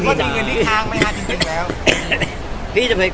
พี่พลดมีเงินที่ค้างไม่น่าจริงแล้ว